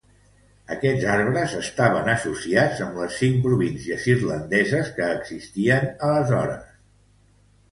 Aquests arbres estaven associats amb les cinc províncies irlandeses que existien aleshores.